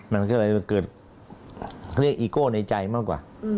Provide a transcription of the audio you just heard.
มันก็เลยเกิดเขาเรียกอีโก้ในใจมากกว่า